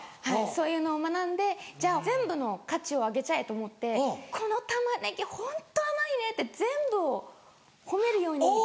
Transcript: はいそういうのを学んでじゃあ全部の価値を上げちゃえと思って「このタマネギホント甘いね」って全部を褒めるように。